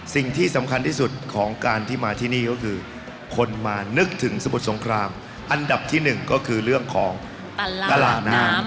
สิ่งที่สำคัญที่สุดของการที่มาที่นี่ก็คือคนมานึกถึงสมุทรสงครามอันดับที่หนึ่งก็คือเรื่องของตลาดน้ำ